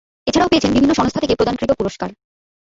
এছাড়াও পেয়েছেন বিভিন্ন সংস্থা থেকে প্রদানকৃত পুরস্কার।